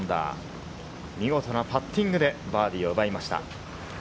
見事なパッティングでバーディーを奪いました。